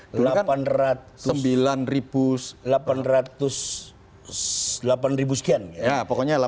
delapan ratus sekian ya ya pokoknya